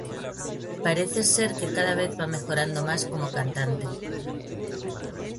Parece ser que cada vez va mejorando más como cantante.